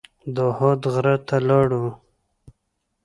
د احد غره ته لاړو.